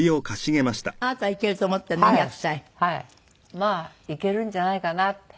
まあいけるんじゃないかなって。